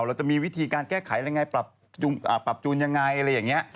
แล้วจะมีวิธีการแก้ไขอะไรอย่างไรปรับจูนอย่างไรอะไรอย่างนี้